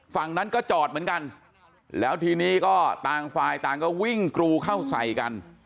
ฝั่งนั้นก็จอดเหมือนกันแล้วทีนี้ก็ต่างฝ่ายต่างก็วิ่งกรูเข้าใส่กัน